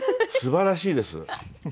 すばらしいです。